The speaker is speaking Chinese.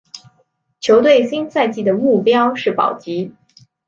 球队新赛季的目标是保级。